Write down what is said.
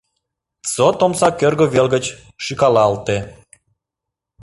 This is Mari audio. ДЗОТ омса кӧргӧ вел гыч шӱкалалте.